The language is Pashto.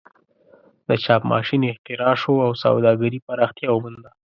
د چاپ ماشین اختراع شو او سوداګري پراختیا ومونده.